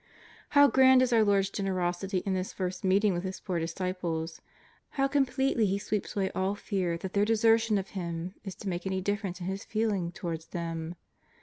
How grand is our Lord's generosity in this first meet ing with His poor disciples ! How completely He sweeps away all fear that their desertion of Him is to make any difference in His feeling towards them!